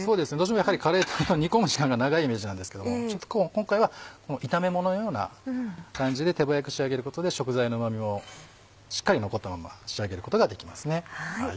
やはりカレーというと煮込む時間が長いイメージなんですけども今回は炒め物のような感じで手早く仕上げることで食材のうま味もしっかり残ったまま仕上げることができますね。